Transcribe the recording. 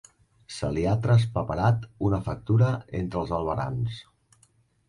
Se li ha traspaperat una factura entre els albarans.